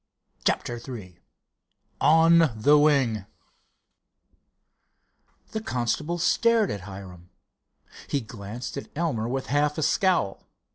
CHAPTER III ON THE WING The constable stared at Hiram. He glanced at Elmer with half a scowl.